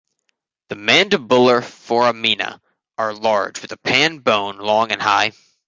The mandibular foramina are large with a pan bone long and high.